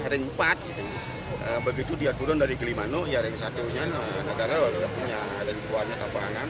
ring empat begitu dia turun dari gilimanu ya ring satu nya adalah negara warga warga punya